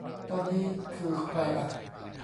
ตอนนี้คือใครอ่ะ